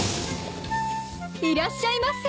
いらっしゃいませ。